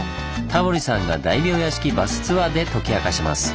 タモリさんが大名屋敷バスツアーで解き明かします。